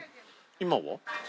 今は？